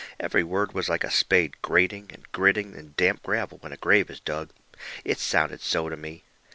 Every word was like a spade grating and gritting in damp gravel when a grave is dug. It sounded so to me.